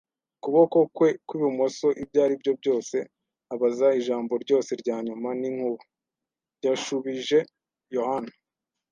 ukuboko kwe kw'ibumoso. “Ibyo aribyo byose?” abaza. “Ijambo ryose rya nyuma, n'inkuba!” yashubije Yohana.